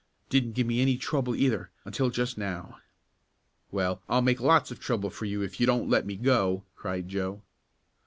"Didn't give me any trouble either, until just now." "Well, I'll make lots of trouble for you, if you don't let me go!" cried Joe.